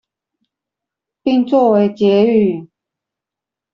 並做為結語